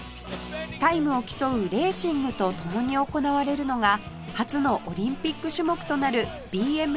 タイムを競うレーシングと共に行われるのが初のオリンピック種目となる ＢＭＸ